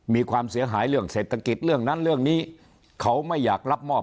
มีความเสียหายเรื่องเศรษฐกิจเรื่องนั้นเรื่องนี้เขาไม่อยากรับมอบ